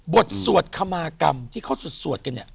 สวดคมากรรมที่เขาสวดกันเนี่ย